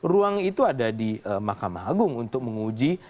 ruang itu ada di mahkamah agung untuk menguji